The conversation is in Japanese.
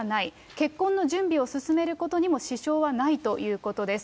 結婚の準備を進めることにも支障はないということです。